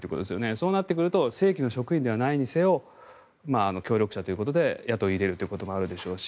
そうなってくると正規の職員ではないにせよ協力者ということで雇い入れるということもあるでしょうし。